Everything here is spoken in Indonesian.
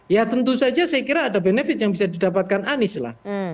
ya tentu saja saya kira ada benefit yang bisa didapatkan anies lah